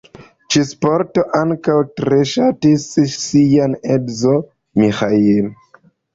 Ĉi-sporton ankaŭ tre ŝatis ŝia edzo Miĥail.